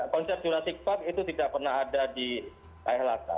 konsep jurassic park itu tidak pernah ada di kaya latar